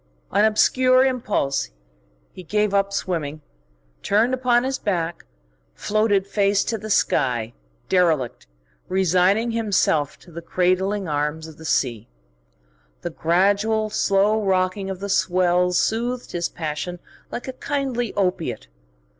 On obscure impulse he gave up swimming, turned upon his back, floated face to the sky, derelict, resigning himself to the cradling arms of the sea. The gradual, slow rocking of the swells soothed his passion like a kindly opiate.